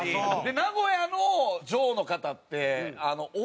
名古屋の嬢の方って。